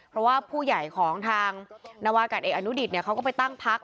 เพราะว่าผู้ใหญ่ของทางนวากาศเอกอนุดิตเขาก็ไปตั้งพัก